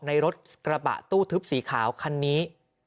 ในรถกระบะตู้ทึบสีขาวคันนี้